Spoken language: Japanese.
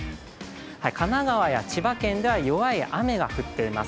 神奈川や千葉県では弱い雨が降っています。